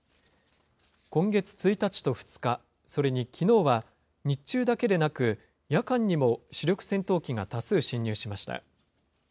今月１日と２日、それにきのうは、日中だけでなく夜間にも主力戦闘機が多数進入しました。